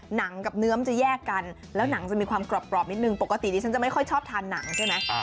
หนังกับเนื้อมันจะแยกกันแล้วหนังจะมีความกรอบนิดนึงปกติดิฉันจะไม่ค่อยชอบทานหนังใช่ไหม